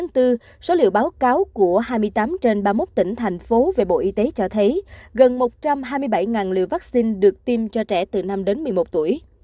số liệu báo cáo của hai mươi tám trên ba mươi một tỉnh thành phố về bộ y tế cho thấy gần một trăm hai mươi bảy liều vaccine được tiêm cho trẻ từ năm đến một mươi một tuổi